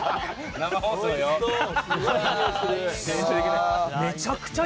生放送よ。